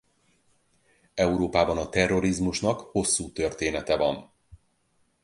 Európában a terrorizmusnak hosszú története van.